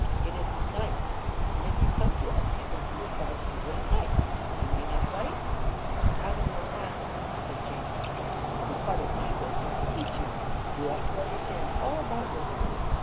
It isn't nice; and if you come to us, I think you will try to do what is nice. Am I not right?" "I dunno how," said Jane. "It will be part of my business to teach you. You ought to understand all about your coming.